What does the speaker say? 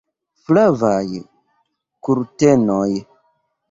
Flavaj kurtenoj!